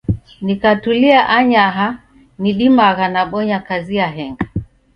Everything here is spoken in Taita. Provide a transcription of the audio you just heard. Nikatulia anyaha, nidimagha nabonya kazi yahenga.